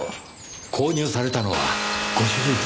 購入されたのはご主人ですか。